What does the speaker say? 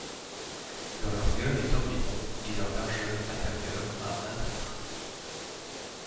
Leur longueur est d'environ et leur largeur est inférieure à un mètre.